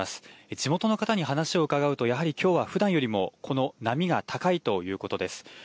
地元の方に話を伺うとやはりきょうはふだんよりもこの波が高いということです。